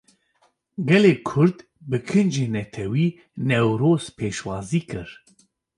Gelê Kurd, bi kincên Netewî Newroz pêşwazî kir